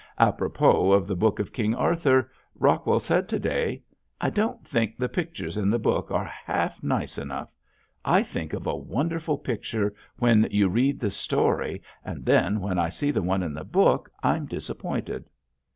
Apropos of the book of King Arthur, Rockwell said to day, "I don't think the pictures in the book are half nice enough. I think of a wonderful picture when you read the story and then when I see the one in the book I'm disappointed."